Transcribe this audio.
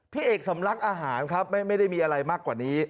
พี่เอกสำลักอาหารครับไม่ได้มีอะไรมากกว่านี้